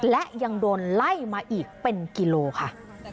และยังโดนไล่มาอีกเป็นกิโลค่ะ